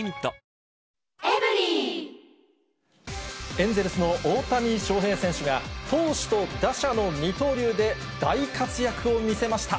エンゼルスの大谷翔平選手が、投手と打者の二刀流で、大活躍を見せました。